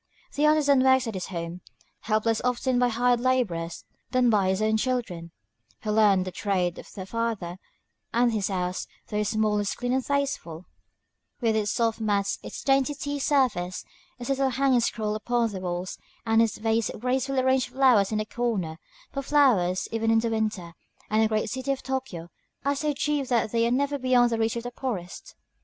The artisan works at his home, helped less often by hired laborers than by his own children, who learn the trade of their father; and his house, though small, is clean and tasteful, with its soft mats, its dainty tea service, its little hanging scroll upon the walls, and its vase of gracefully arranged flowers in the corner; for flowers, even in winter and in the great city of Tōkyō, are so cheap that they are never beyond the reach of the poorest.